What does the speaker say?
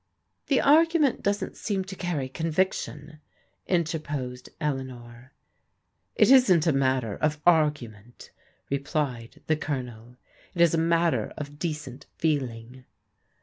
" The argument doesn't seem to carry conviction/' in terposed Eleanor. " It isn't a matter of argument," replied the ColoneL " It is a matter of decent feeling."